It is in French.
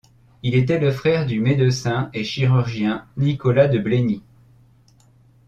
Il était le frère du médecin et chirurgien Nicolas de Blégny.